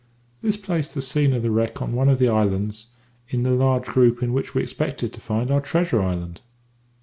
This placed the scene of the wreck on one of the islands in the large group in which we expected to find our treasure island.